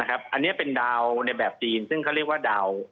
อันนี้เป็นดาวในแบบจีนซึ่งเขาเรียกว่าดาว